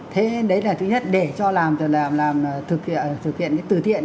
thế đấy là thứ nhất để cho làm làm thực hiện cái từ thiện